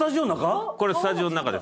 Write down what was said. これスタジオの中？